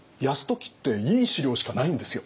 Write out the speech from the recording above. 泰時っていい史料しかないんですよ。